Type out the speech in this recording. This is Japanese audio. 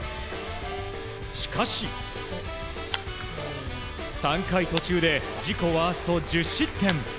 しかし、３回途中で自己ワースト１０失点。